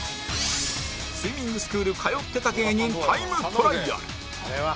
スイミングスクール通ってた芸人タイムトライアル